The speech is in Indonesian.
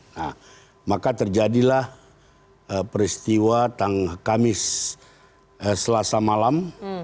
nah maka terjadilah peristiwa tang kamis selasa malam